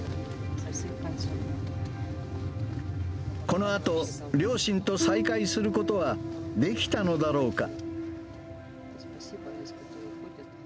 このあと、両親と再会することはできたのだろうか。